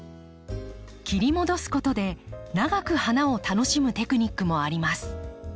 切り戻すことで長く花を楽しむテクニックもあります。